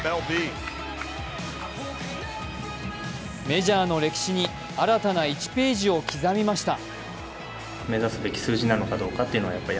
メジャーの歴史に新た１ページを刻みました。